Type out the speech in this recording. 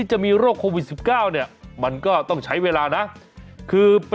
สวัสดีคุณชิสานะฮะสวัสดีคุณชิสานะฮะ